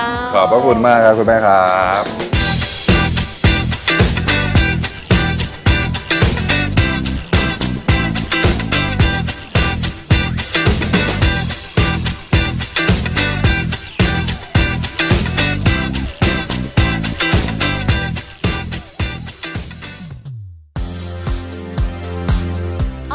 ช่วงนี้ต้องว่าเรียบร้อยให้ภาพสมัยประเภทและหัวขวางแบบที่จะฝันกัน